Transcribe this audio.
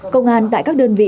công an tại các đơn vị